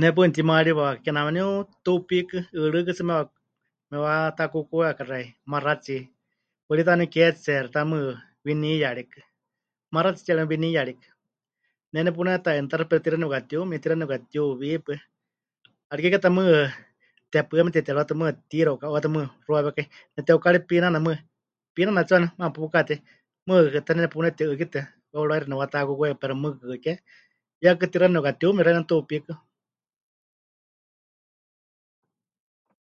Ne paɨ nepɨtimaariwa kename waníu tuupíkɨ, 'ɨɨrɨ́kɨ tsɨ mewa... mewatakukuyakai xeikɨ́a, maxátsi, paɨrí ta waníu ketseéxi ta mɨɨkɨ winiyarikɨ, maxátsi tsiere waníu winiyarikɨ, ne nepune'inɨatáxɨ pero tixaɨ nepɨkatiumi, tixaɨ nepɨkatiuwi pues, 'ariké ke ta mɨɨkɨ tepɨ́a mete'iterɨwátɨ mɨɨkɨ tiro 'uka'uuwétɨ mɨɨkɨ pɨxuawékai, neteukari pinanai mɨɨkɨ, pinanai tsɨ waníu maana pukatéi, mɨɨkɨkɨ ta ne nepuneti'ɨ́kitɨa, weuráixi nepɨwatakukuyakai pero mɨɨkɨkɨ ke, 'iyákɨ tixaɨ nepɨkatiumi xeeníu tuupíkɨ.